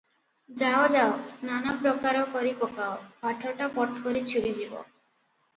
ଯାଅ - ଯାଅ ସ୍ନାନପ୍ରକାର କରି ପକାଅ ପାଠଟା ପଟକରି ଛିଡ଼ିଯିବ ।"